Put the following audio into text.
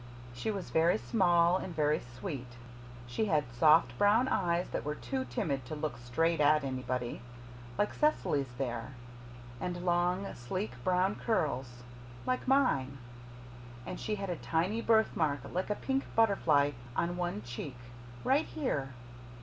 She was very small and very sweet. She had soft brown eyes that were too timid to look straight at anybody like Cecily's there and long, sleek, brown curls like mine; and she had a tiny birthmark like a pink butterfly on one cheek right here.